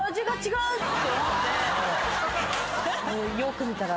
「よーく見たら」